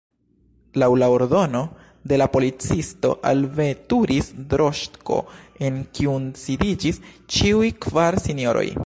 Laŭ la ordono de la policisto alveturis droŝko en kiun sidiĝis ĉiuj kvar sinjoroj.